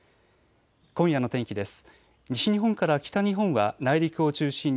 今夜の天気です。